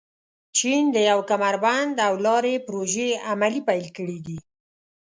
چین د یو کمربند او لارې پروژې عملي چارې پيل کړي دي.